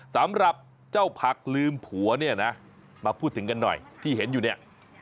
สำหรับเจ้าผักลืมผัวเนี่ยนะมาพูดถึงกันหน่อยที่เห็นอยู่เนี่ย